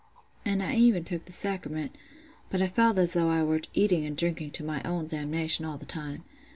An' I even took the sacrament; but I felt as though I were eating and drinking to my own damnation all th' time.